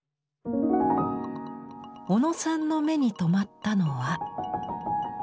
小野さんの目に留まったのは。